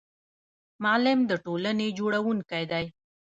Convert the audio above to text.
معلم د ټولنې جوړونکی دی